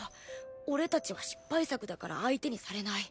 俺達は失敗作だから相手にされない。